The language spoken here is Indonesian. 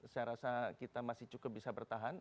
saya rasa kita masih cukup bisa bertahan